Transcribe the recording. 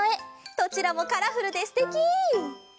どちらもカラフルですてき！